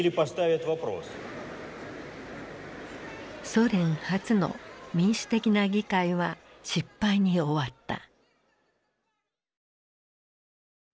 ソ連初の民主的な議会は失敗に終わった。